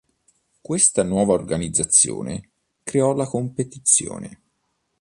Questa nuova organizzazione creò la competizione.